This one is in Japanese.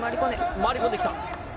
回り込んできた。